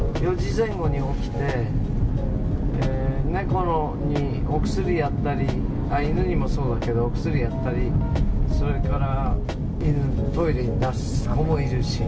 「猫にお薬やったり犬にもそうだけどお薬やったりそれから犬トイレに出す子もいるし」